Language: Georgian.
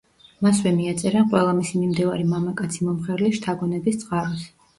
მასვე მიაწერენ ყველა მისი მიმდევარი მამაკაცი მომღერლის შთაგონების წყაროს.